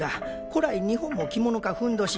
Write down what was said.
古来日本も着物かふんどし。